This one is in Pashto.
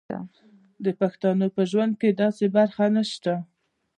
د پښتنو په ژوند کې داسې برخه نشته.